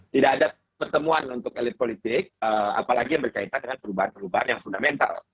tidak ada pertemuan untuk elit politik apalagi yang berkaitan dengan perubahan perubahan yang fundamental